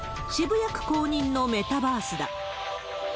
渋谷区公認のメタバースだ。